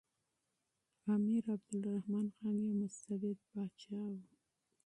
امیر عبدالرحمن خان یو مستبد پاچا و.